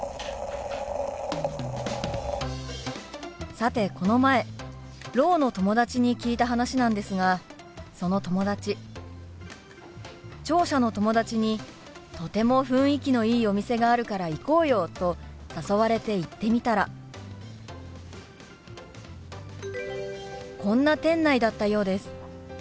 さてこの前ろうの友達に聞いた話なんですがその友達聴者の友達にとても雰囲気のいいお店があるから行こうよと誘われて行ってみたらこんな店内だったようです。